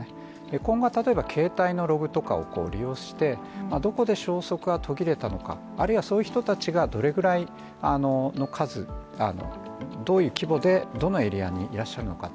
今後は携帯のログとかを利用して、どこで消息が途切れたのか、あるいはそういう人たちがどれぐらいの数どういう規模でどのエリアにいらっしゃるのかと。